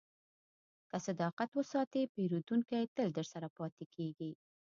که صداقت وساتې، پیرودونکی تل درسره پاتې کېږي.